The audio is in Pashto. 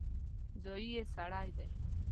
ځايي سړی دی.